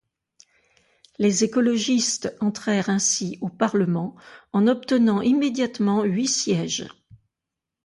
Les écologistes entrèrent ainsi au Parlement en obtenant immédiatement huit sièges.